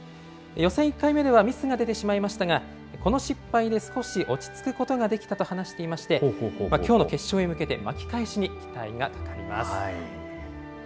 予選１回目ではミスが出てしまいましたが、この失敗で少し落ち着くことができたと話していまして、きょうの決勝へ向けて、巻き返しに期待がかかります。